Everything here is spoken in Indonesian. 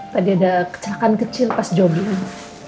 tadi ada kecelakaan kecil pas jobling